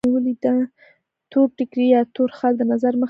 تور ټیکری یا تور خال د نظر مخه نیسي.